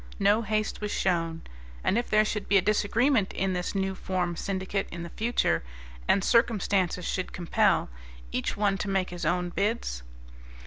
No haste was shown. And if there should be a disagreement in this new formed syndicate in the future, and circumstances should compel each one to make his own bids?